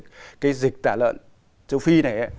cái dịch tả lợn châu phi này